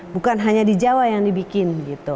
bukan hanya di jawa yang dibikin